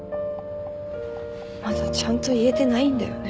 まだちゃんと言えてないんだよね。